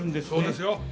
そうですよ。